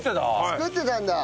作ってたんだ。